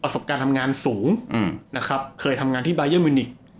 ประสบการณ์ทำงานสูงอืมนะครับเคยทำงานที่